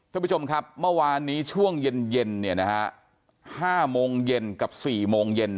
ทุกผู้ชมครับเมื่อวานนี้ช่วงเย็นห้าโมงเย็นกับสี่โมงเย็น